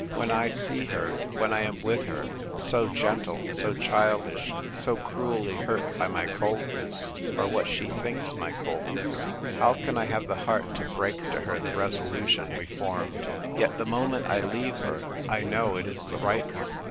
When I see her, when I am with her — so gentle, so childish, so cruelly hurt by my coldness, or what she thinks my coldness — how can 1 have the heart to break to her the resolution we formed ? Yet the moment I leave her I know it is the right one.